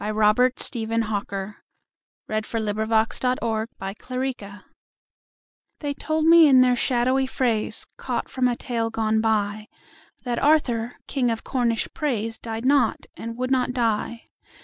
Robert Stephen Hawker 1804–75 To Alfred Tennyson THEY told me in their shadowy phrase, Caught from a tale gone by, That Arthur, King of Cornish praise, Died not, and would not die.